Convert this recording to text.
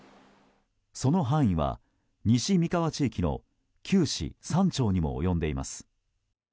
その範囲は、西三河地域の９市３町にも及んでいます。